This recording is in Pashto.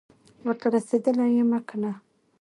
ورته رسېدلی یم که نه،